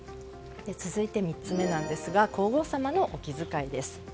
続いて３つ目ですが皇后さまのお気遣いです。